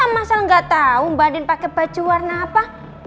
mas al gak tau mbak andin pakai baju warna apa